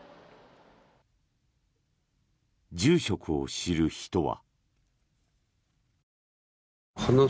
住職を知る人は。